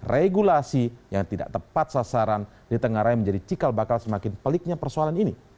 regulasi yang tidak tepat sasaran di tengah raya menjadi cikal bakal semakin peliknya persoalan ini